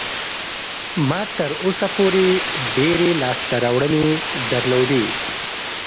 ما تر اوسه پورې ډېرې لاسته راوړنې درلودې.